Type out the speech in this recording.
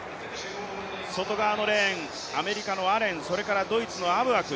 外側のレーン、アメリカのアレン、それからドイツのアブアク。